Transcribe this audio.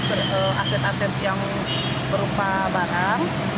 untuk aset aset yang berupa barang